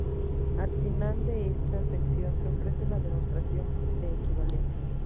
Al final de esta sección se ofrece la demostración de equivalencia.